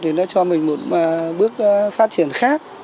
thì nó cho mình một bước phát triển khác